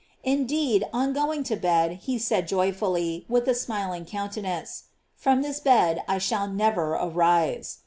Indeed, on going to bed he said joyfully, with a smiling countenance: "From this bed I shall never arise."